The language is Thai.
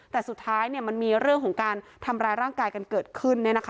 แต่สุดท้ายมันมีเรื่องของการทำร้ายร่างกายกันเกิดขึ้น